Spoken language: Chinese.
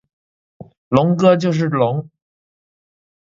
龙哥就是龙！